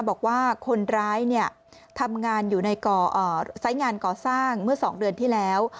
บอกว่าคนร้ายทำงานอยู่ในไซส์งานก่อสร้างเมื่อ๒เดือนที่แล้ว